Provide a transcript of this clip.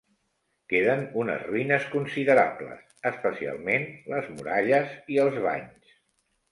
Queden unes ruïnes considerables, especialment les muralles i els banys.